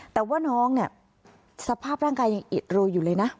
แต่ว่าน้องเนี่ยสภาพร่างกายยังอิดโรยอยู่เลยนะ